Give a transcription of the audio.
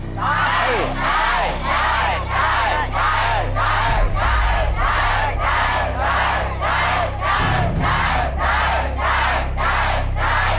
ได้